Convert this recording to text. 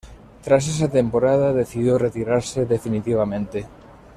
Tras esa temporada, decidió retirarse definitivamente.